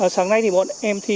sáng nay thì bọn em thi